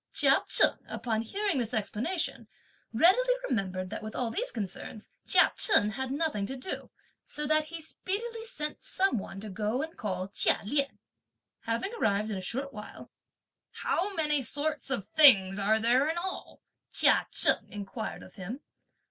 Chia Cheng, upon hearing this explanation, readily remembered that with all these concerns Chia Chen had nothing to do; so that he speedily sent some one to go and call Chia Lien. Having arrived in a short while, "How many sorts of things are there in all?" Chia Cheng inquired of him.